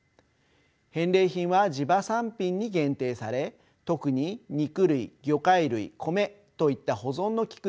返礼品は「地場産品」に限定され特に肉類魚介類米といった保存の利く